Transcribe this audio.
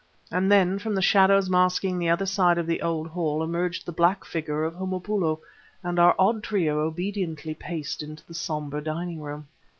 And then, from the shadows masking the other side of the old hall, emerged the black figure of Homopoulo, and our odd trio obediently paced into the somber dining room.